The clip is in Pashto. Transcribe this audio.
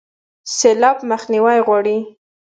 سیلاب مخنیوی غواړي